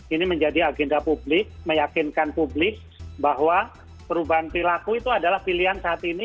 ini menjadi agenda publik meyakinkan publik bahwa perubahan perilaku itu adalah pilihan saat ini